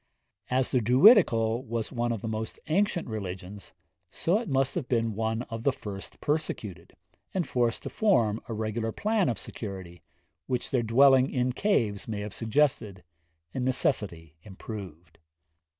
As the Druidical was one of the most ancient religions, so it must have been one of the first persecuted, and forced to form a regular plan of security, which their dwelling in caves may have suggested, and necessity improved.'